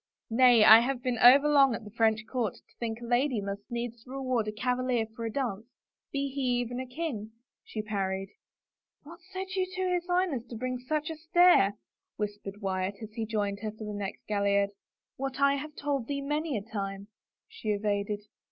Nay — I have been overlong at the French court to think a lady must needs reward a cavalier for a dance — be he even a king !" she parried. " What said you to his Highness to bring such a stare ?" whispered Wyatt, as he joined her for the next gaillard. " What I have told thee many a time," she evaded.